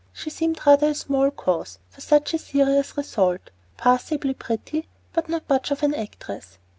She seemed rather a small cause for such a serious result passably pretty, and not much of an actress.